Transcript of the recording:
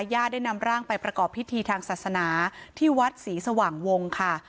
ญาติได้นำร่างไปประกอบพิธีทางศาสนาที่วัดศรีสว่างวงค่ะ